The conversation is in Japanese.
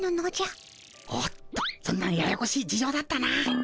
おっとそんなややこしい事じょうだったな。